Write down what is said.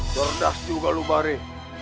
cerdas juga lo bari